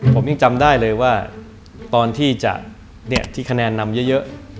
ผมยังจำได้เลยว่าตอนที่คะแนนนำเยอะ